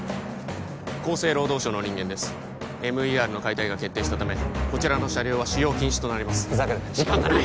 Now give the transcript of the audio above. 厚生労働省の人間ですＭＥＲの解体が決定したためこちらの車両は使用禁止となりますふざけるな時間がない！